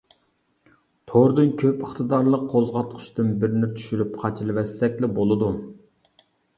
توردىن كۆپ ئىقتىدارلىق قوزغاتقۇچتىن بىرنى چۈشۈرۈپ قاچىلىۋەتسەكلا بولىدۇ.